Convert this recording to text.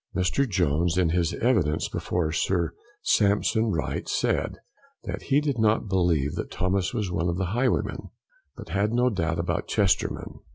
Mr. Jones, in his evidence before Sir Sampson Wright, said, that he did not belive that Thomas was one of the highwaymen, but had no doubt about Chesterman.